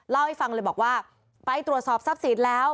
เล่าให้ฟังเลยบอกว่าไปตรวจสอบทรัพย์สินแล้ว